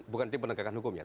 bukan tim penegakan hukum ya